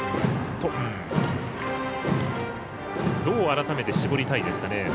どう改めて絞りたいですかね。